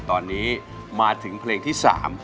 ตอนนี้มาถึงเพลงที่๓